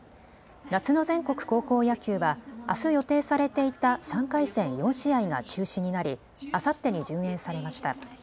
夏の全国高校野球は、あす予定されていた３回戦４試合が中止になり、あさってに順延されました。